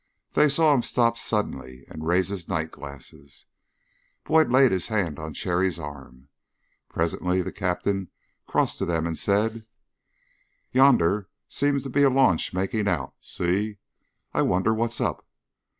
They saw him stop suddenly, and raise his night glasses; Boyd laid his hand on Cherry's arm. Presently the Captain crossed to them and said: "Yonder seems to be a launch making out. See? I wonder what's up."